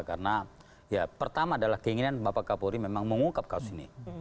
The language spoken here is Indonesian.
karena ya pertama adalah keinginan bapak kapolri memang mengungkap kasus ini